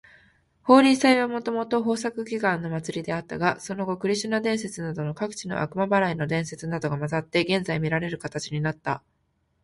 ホーリー祭はもともと豊作祈願の祭りであったが、その後クリシュナ伝説などの各地の悪魔払いの伝説などが混ざって、現在みられる形になった。